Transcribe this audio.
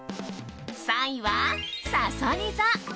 ３位は、さそり座。